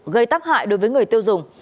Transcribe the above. gây tác hại đối với người tiêu dùng